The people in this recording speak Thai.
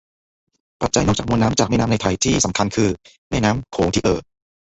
ปัจจัยนอกจากมวลน้ำจากแม่น้ำในไทยที่สำคัญคือแม่น้ำโขงที่เอ่อ